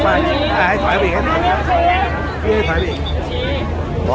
ขอบคุณมากนะคะแล้วก็แถวนี้ยังมีชาติของ